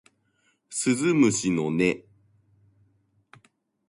鈴虫の音